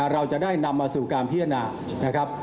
เราจะได้นำมาสู่การพิจารณานะครับ